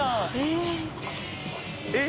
えっ。